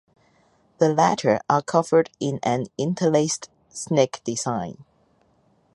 The latter are covered in an interlaced snake design.